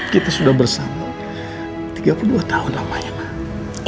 kita sudah bersama tiga puluh dua tahun lamanya pak